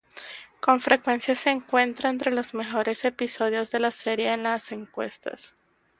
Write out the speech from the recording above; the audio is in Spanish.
Con frecuencia se encuentra entre los mejores episodios de la serie en las encuestas.